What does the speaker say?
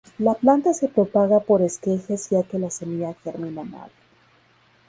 La planta se propaga por esquejes ya que la semilla germina mal.